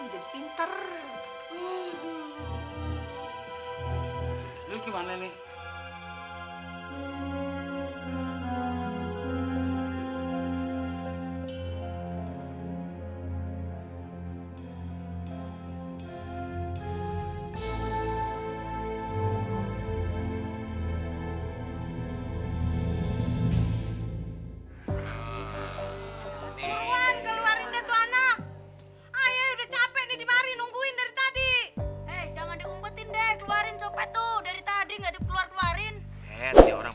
jadi ntar lu jadi pinter